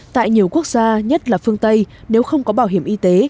tại nhiều quốc gia nhất là phương tây nếu không có bảo hiểm y tế